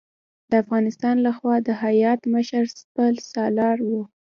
د افغانستان له خوا د هیات مشر سپه سالار و.